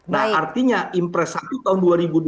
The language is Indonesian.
nah artinya impres satu tahun dua ribu dua puluh